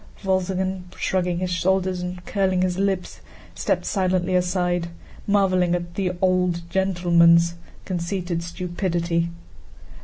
Wolzogen, shrugging his shoulders and curling his lips, stepped silently aside, marveling at "the old gentleman's" conceited stupidity.